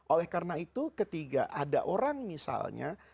oleh karena itu ketika ada orang misalnya